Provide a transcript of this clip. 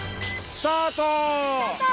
スタート！